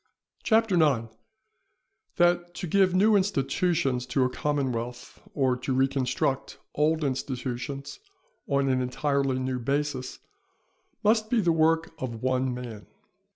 CHAPTER IX.—_That to give new Institutions to a Commonwealth, or to reconstruct old Institutions on an entirely new basis, must be the work of one Man_.